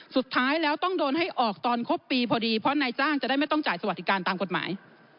สุดท้ายแล้วต้องโดนให้ออกตอนครบปีพอดีเพราะนายจ้างจะได้ไม่ต้องจ่ายสวัสดิการตามกฎหมาย